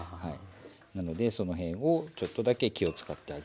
なのでその辺をちょっとだけ気を遣ってあげる。